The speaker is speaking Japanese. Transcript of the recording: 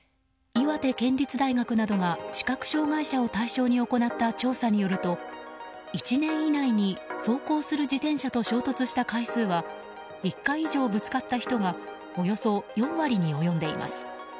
岩手県立大学などが視覚障害者を対象に行った調査によると１年以内に、走行する自転車と衝突した回数は１回以上ぶつかった人がおよそ４割に及んでいます。